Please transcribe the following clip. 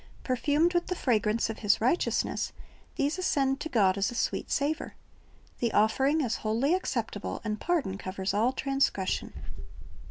Perfumed with the fragrance of His righteousness, these ascend to God as a sweet savor. The offering is wholly acceptable, and pardon covers all transgression.